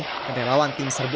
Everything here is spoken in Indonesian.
dan dari lawan tim serba